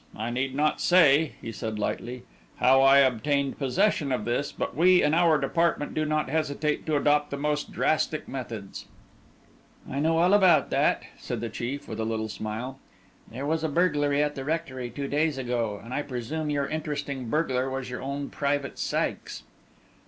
I need not say," he said lightly, "how I obtained possession of this, but we in our department do not hesitate to adopt the most drastic methods " "I know all about that," said the chief, with a little smile; "there was burglary at the rectory two days ago, and I presume your interesting burglar was your own Private Sikes."